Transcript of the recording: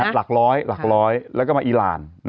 หลักร้อยหลักร้อยแล้วก็มาอีราน